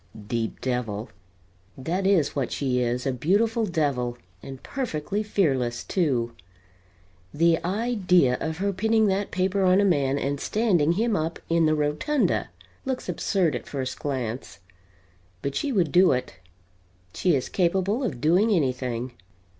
Deep devil! That is what she is; a beautiful devil and perfectly fearless, too. The idea of her pinning that paper on a man and standing him up in the rotunda looks absurd at a first glance. But she would do it! She is capable of doing anything.